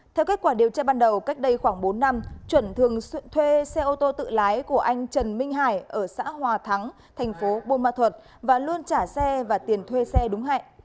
theo kết quả điều tra ban đầu cách đây khoảng bốn năm chuẩn thường xuyên thuê xe ô tô tự lái của anh trần minh hải ở xã hòa thắng thành phố bôn ma thuật và luôn trả xe và tiền thuê xe đúng hẹn